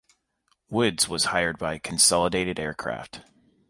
Woods was hired by Consolidated Aircraft.